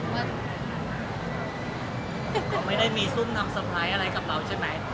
ก็ไม่ได้มีซุ่มน้ำสไพรส์อะไรกับเราใช่ไหม